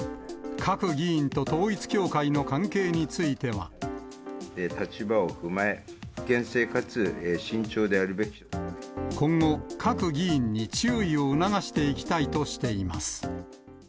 各議員と統一教会の関係について立場を踏まえ、今後、各議員に注意を促していきたいとしています。